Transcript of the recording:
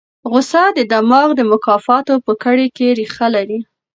غوسه د دماغ د مکافاتو په کړۍ کې ریښه لري.